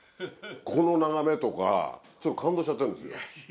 この眺めとかちょっと感動しちゃってるんですよ。